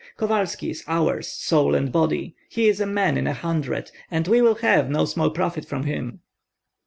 Kovalski is ours, soul and body. He is a man in a hundred, and we will have no small profit from him."